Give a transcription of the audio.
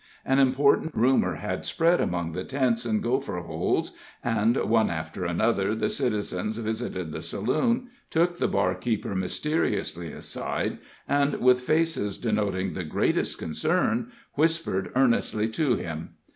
An important rumor had spread among the tents and gopher holes, and, one after another, the citizens visited the saloon, took the barkeeper mysteriously aside, and, with faces denoting the greatest concern, whispered earnestly to him.